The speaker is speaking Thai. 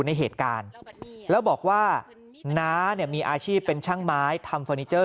ในเหตุการณ์แล้วบอกว่าน้าเนี่ยมีอาชีพเป็นช่างไม้ทำเฟอร์นิเจอร์